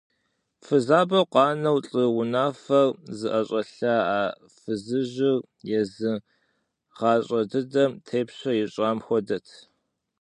Фызабэу къанэу лӏы унафэр зыӏэщӏэлъа а фызыжьыр езы гъащӏэ дыдэм тепщэ ищӏам хуэдэт.